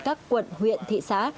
các quận huyện thị xã